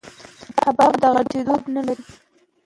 حباب د غټېدو تاب نه لري.